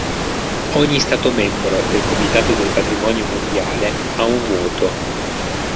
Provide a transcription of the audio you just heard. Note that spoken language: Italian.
Ogni stato membro del Comitato del Patrimonio Mondiale ha un voto.